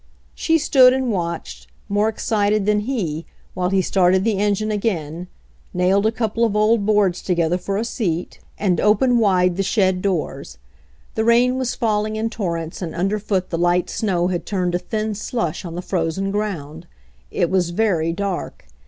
She stood and watched, more excited than he, while he started the engine again, nailed a couple of old boards together for a seat and opened wide A RIDE IN THE RAIN 89 the shed doors. The rain was falling in torrents and underfoot the light snow had turned to thin slush on the frozen ground. It was very dark.